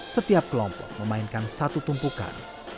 setiap kelompok memainkan satu tumpukan